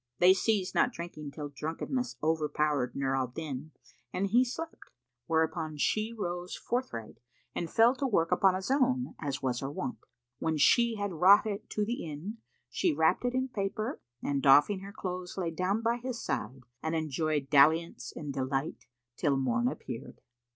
They ceased not drinking till drunkenness overpowered Nur al Din and he slept; whereupon she rose forthright and fell to work upon a zone, as was her wont. When she had wrought it to end, she wrapped it in paper and doffing her clothes, lay down by his side and enjoyed dalliance and delight till morn appeared.